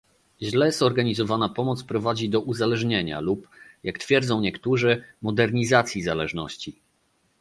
Źle zorganizowana pomoc prowadzi do uzależnienia lub, jak twierdzą niektórzy, modernizacji zależności